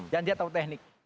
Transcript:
dan dia tahu teknik